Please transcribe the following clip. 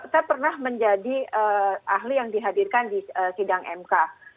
saya pernah menjadi ahli yang dihadirkan di sidang mk